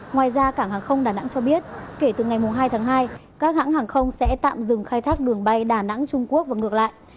ngoài ra cảng hàng không đà nẵng cho biết kể từ ngày hai tháng hai các hãng hàng không sẽ tạm dừng khai thác đường bay đà nẵng trung quốc và ngược lại